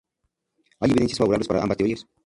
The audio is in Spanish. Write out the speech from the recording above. Hay evidencias favorables para ambas teorías.